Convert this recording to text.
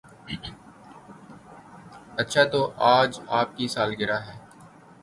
اچھا تو آج آپ کی سالگرہ ہے